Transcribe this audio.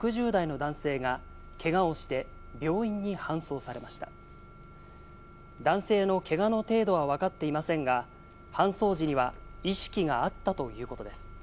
男性のけがの程度はわかっていませんが、搬送時には意識があったということです。